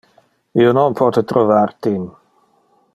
Io non pote trovar Tim.